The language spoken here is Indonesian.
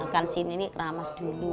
kan sini ini keramas dulu